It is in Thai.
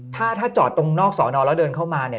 ถ้าถ้าจอดตรงนอกสอนอแล้วเดินเข้ามาเนี่ย